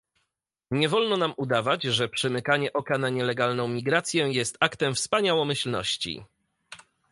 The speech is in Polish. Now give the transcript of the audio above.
Nie wolno nam udawać, że przymykanie oka na nielegalną migrację jest aktem wspaniałomyślności